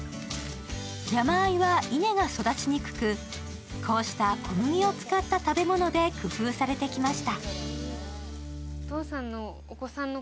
山あいは稲が育ちにくくこうした小麦を使った食べ物で工夫されてきました。